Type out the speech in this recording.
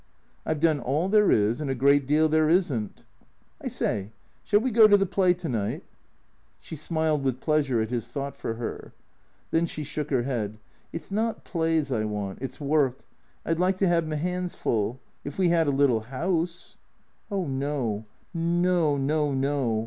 " I 've done all there is and a great deal there is n't." " I say, shall we go to the play to night ?" She smiled with pleasure at his thought for her. Then she shook her head, " It 's not plays I want — it 's work. I 'd like to have me hands full. If we had a little house "" Oh no. No — no — no."